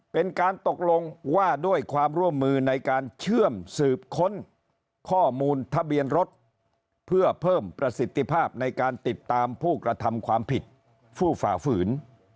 เป็นการตกลงว่าด้วยความร่วมมือในการเชื่อมสืบค้นข้อมูลทะเบียนรถเพื่อเพิ่มประสิทธิภาพในการติดตามผู้กระทำความผิดผู้ฝ่าฝืน